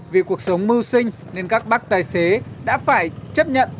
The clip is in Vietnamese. vì cuộc sống mưu sinh nên các bác tài xế đã phải chấp nhận